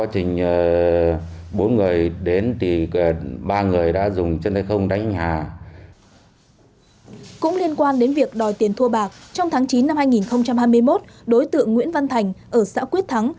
cũng liên quan đến việc đòi tiền thua bạc trong tháng chín năm hai nghìn hai mươi một đối tượng nguyễn văn thành ở xã quyết thắng